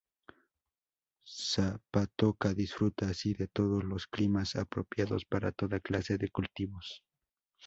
Zapatoca disfruta así de todos los climas, apropiados para toda clase de cultivos.